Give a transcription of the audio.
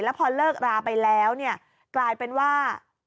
แล้วพอเลิกราไปแล้วกลายเป็นว่า